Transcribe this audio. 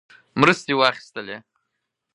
مرستې واخیستلې.